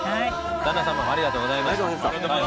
旦那さまもありがとうございました。